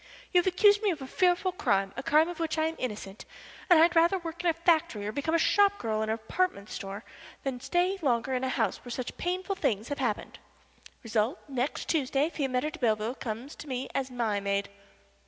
'You have accused me of a fearful crime a crime of which I am innocent and I'd rather work in a factory, or become a shop girl in a department store, than stay longer in a house where such painful things have happened.' Result, next Tuesday Fiametta de Belleville comes to me as my maid."